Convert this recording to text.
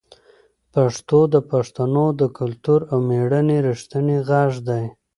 پښتو د پښتنو د کلتور او مېړانې رښتینې غږ ده.